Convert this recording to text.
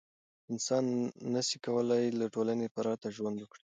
انسان نسي کولای له ټولنې پرته ژوند وکړي.